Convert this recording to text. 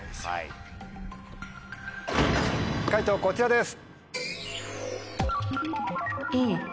解答こちらです。